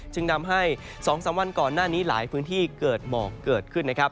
จึงนำให้๒๓วันก่อนหน้านี้หลายพื้นที่เกิดหมอกเกิดขึ้นนะครับ